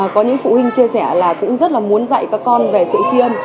có những phụ huynh chia sẻ là cũng rất là muốn dạy các con về sự tri ân